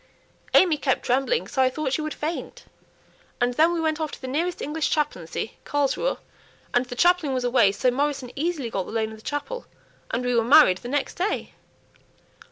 AimÄe kept trembling so I thought she would faint; and then we went off to the nearest English chaplaincy, Carlsruhe, and the chaplain was away, so Morrison easily got the loan of the chapel, and we were married the next day."